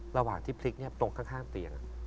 ระหว่างที่พลิกตรงข้างเตียง